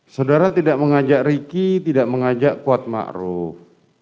saudara tidak mengajak riki tidak mengajak kuat ma'ruf